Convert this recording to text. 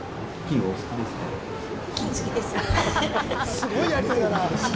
すごいやりとりだな！